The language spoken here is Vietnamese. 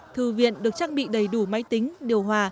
thư viện được trang bị đầy đủ máy tính điều hòa